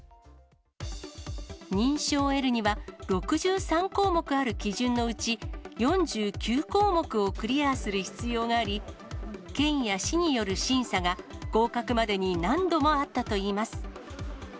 認証を得るには、６３項目ある基準のうち、４９項目をクリアする必要があり、県や市による審査が合格までに何度もあったといいます。